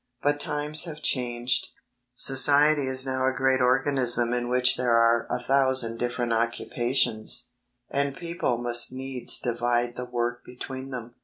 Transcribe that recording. But times have changed. Society is now a great organism in which there are a thousand different occupations, and people must needs divide the work between them.